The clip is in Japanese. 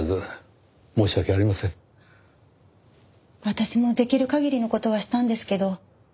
私もできる限りの事はしたんですけど。